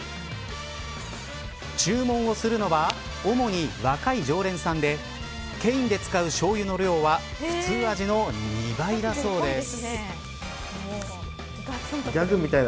注文をするのは主に若い常連さんでケインで使うしょうゆの量は普通味の２倍だそうです。